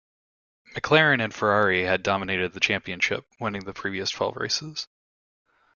McLaren and Ferrari had dominated the championship, winning the previous twelve races.